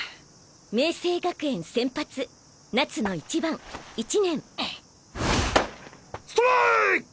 明青学園先発夏野一番１年ストラーイク！